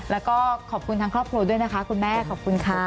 แล้วก็ขอบคุณทางครอบครัวด้วยนะคะคุณแม่ขอบคุณค่ะ